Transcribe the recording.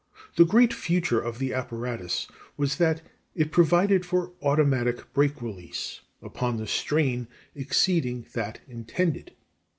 The great future of the apparatus was that it provided for automatic brake release, upon the strain exceeding that intended.